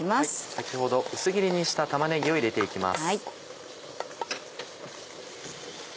先ほど薄切りにした玉ねぎを入れて行きます。